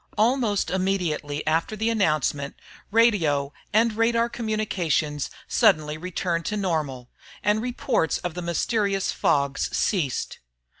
Almost immediately after the announcement, radio and radar communications suddenly returned to normal, and reports of the mysterious fogs ceased.